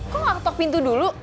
kok gak ketok pintu dulu